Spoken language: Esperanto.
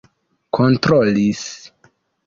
kontrolis